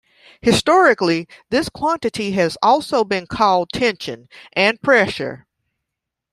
Historically this quantity has also been called "tension" and "pressure".